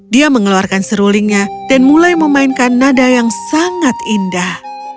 dia mengeluarkan serulingnya dan mulai memainkan nada yang sangat indah